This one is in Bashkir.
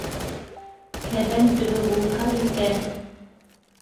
Кәбән төбө булһа икән!